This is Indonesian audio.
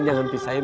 gak usah om